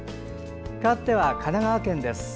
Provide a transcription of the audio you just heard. かわっては神奈川県です。